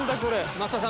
増田さん